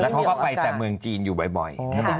เขาก็ไปแต่เมืองจีนอยู่บ่อย